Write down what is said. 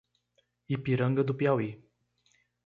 Ipiranga do Piauí